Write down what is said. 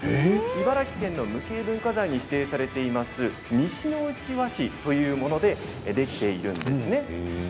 茨城県の無形文化財に指定されています西ノ内和紙というものでできているんですね。